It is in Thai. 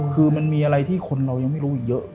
คือมันมีอะไรที่คนเรายังไม่รู้อีกเยอะ